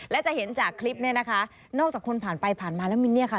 และจะเห็นจากคลิปนี้นะคะ